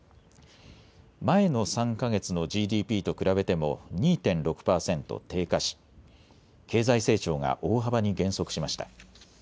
前の３か月のＧＤＰと比べても２．６％低下し経済成長が大幅に減速しました。